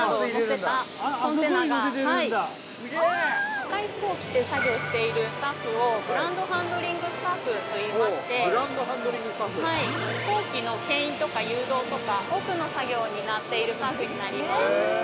◆赤い服を着て作業しているスタッフをグランドハンドリングスタッフといいまして飛行機の牽引とか誘導とか多くの作業を担っているスタッフになります。